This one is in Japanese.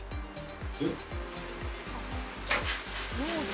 えっ？